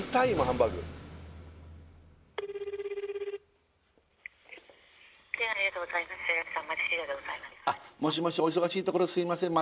ハンバーグあっもしもしお忙しいところすいません